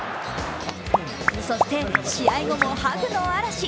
そして、試合後もハグの嵐。